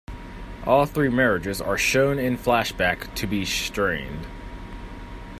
All three marriages are shown in flashback to be strained.